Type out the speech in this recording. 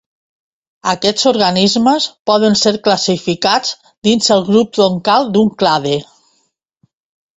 Aquests organismes poden ser classificats dins el grup troncal d'un clade.